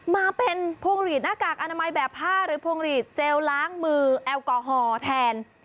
มาเป็นพวงหลีดหน้ากากอนามัยแบบผ้าหรือพวงหลีดเจลล้างมือแอลกอฮอล์แทน